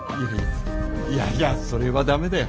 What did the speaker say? いやいやそれは駄目だよ。